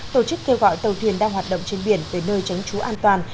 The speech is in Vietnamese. tổ chức kêu gọi tàu thuyền đang hoạt động trên biển về nơi tránh trú an toàn